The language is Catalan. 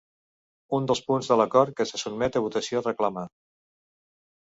Un dels punts de l’acord que se sotmet a votació reclama.